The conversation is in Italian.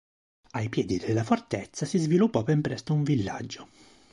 Ai piedi della fortezza si sviluppò ben presto un villaggio.